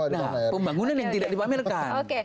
nah pembangunan yang tidak dipamerkan